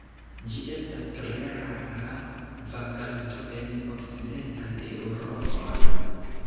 Ĝi estas tre rara vaganto en okcidentan Eŭropon.